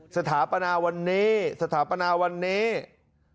สถาปนาวันนี้สถาปนาวันนี้